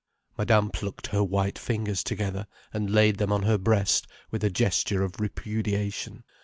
Madame plucked her white fingers together and laid them on her breast with a gesture of repudiation.